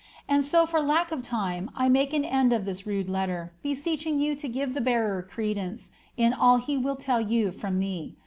And so for lack of time I make an end of this rude letter, beseeching yon to give the bearer credence, in all he will tell jrou firom me.